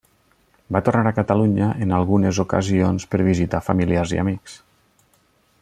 Va tornar a Catalunya en algunes ocasions per visitar familiars i amics.